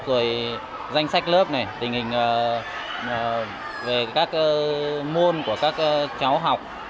rồi danh sách lớp này tình hình về các môn của các cháu học